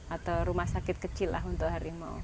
atau rumah sakit kecil lah untuk harimau